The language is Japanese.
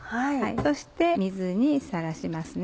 そして水にさらしますね。